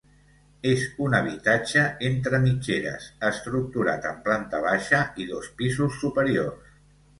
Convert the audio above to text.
És un habitatge entre mitgeres, estructurat en planta baixa i dos pisos superiors.